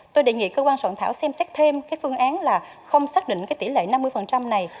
tôi đề nghị cơ quan soạn thảo xem xét thêm phương án không xác định tỷ lệ năm mươi này